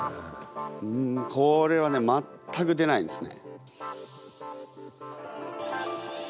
うんこれはね全く出ないですね。